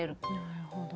なるほど。